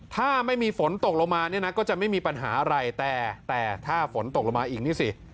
ถ้าไม่มีฝนตกลงมาเนี่ยนะก็จะไม่มีปัญหาอะไรแต่แต่ถ้าฝนตกลงมาอีกนี่สิ